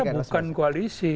saya kira bukan koalisi